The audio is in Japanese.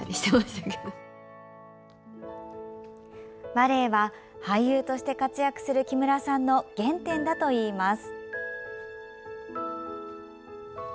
バレエは俳優として活躍する木村さんの原点だといいます。